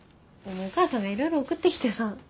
お母さんがいろいろ送ってきてさ。